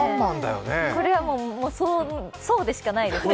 これはもうそうでしかないですね。